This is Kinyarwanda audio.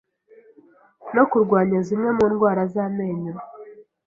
no kurwanya zimwe mu ndwara z’amenyo